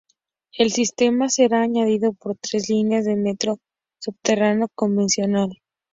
El sistema será añadido por tres líneas de metro subterráneo convencional.